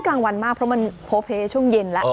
กลางวันมากเพราะมันโพเพช่วงเย็นแล้ว